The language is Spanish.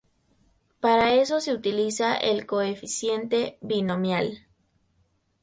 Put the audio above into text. Para eso se utiliza el Coeficiente binomial.